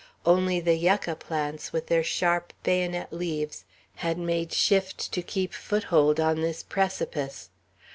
Only the yucca plants, with their sharp bayonet leaves, had made shift to keep foothold on this precipice.